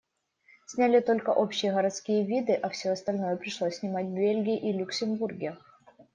Сняли только общие городские виды, а все остальное пришлось снимать в Бельгии и Люксембурге.